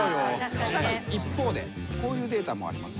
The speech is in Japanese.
しかし一方でこういうデータもあります。